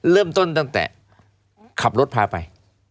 เริ่มต้นตั้งแต่ขับรถพาไป